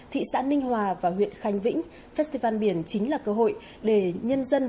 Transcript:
thị xã ninh hòa và huyện khánh vĩnh festival biển chính là cơ hội để nhân dân